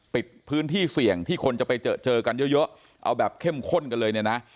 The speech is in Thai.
ปิดพื้นที่เสี่ยงที่คนจะไปเจอเจอกันเยอะเอาแบบเข้มข้นกันเลยเนี่ยนะ